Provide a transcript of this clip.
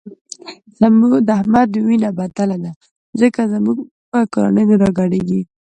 د احمد وینه بدله ده ځکه زموږ په کورنۍ نه راګډېږي.